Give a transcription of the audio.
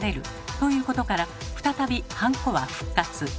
ということから再びハンコは復活。